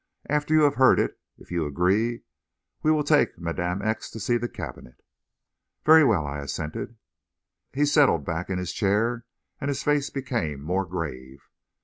After you have heard it, if you agree, we will take Madame X. to see the cabinet." "Very well," I assented. He settled back in his chair, and his face became more grave.